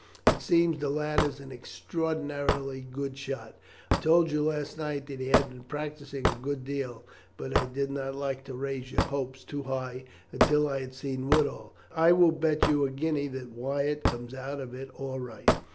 It seems the lad is an extraordinarily good shot. I told you last night that he had been practising a good deal, but I did not like to raise your hopes too high until I had seen Woodall. I will bet you a guinea that Wyatt comes out of it all right."